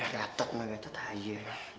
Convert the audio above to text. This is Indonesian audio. gatot mah gatot aja